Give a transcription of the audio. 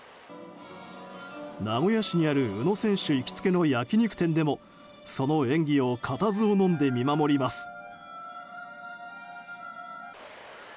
名古屋市にある宇野選手行きつけの焼き肉店でもその演技を固唾をのんで見守ります。